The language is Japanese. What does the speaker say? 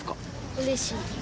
うれしい。